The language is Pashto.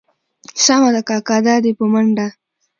سمه ده کاکا دا دي په منډه.